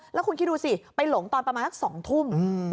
แล้วคุณคิดดูสิไปหลงตอนประมาณสัก๒ทุ่ม